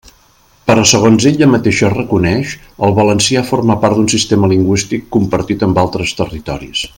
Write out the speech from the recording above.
Però segons ella mateixa reconeix, el valencià forma part d'un sistema lingüístic compartit amb altres territoris.